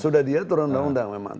sudah diatur undang undang memang